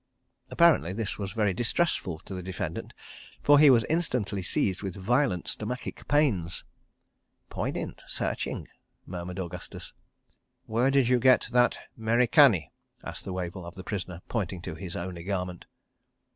Apparently this was very distressful to the defendant, for he was instantly seized with violent stomachic pains. "Poignant! ... Searching! ..." murmured Augustus. "Where did you get that 'Mericani?" asked Wavell of the prisoner, pointing to his only garment.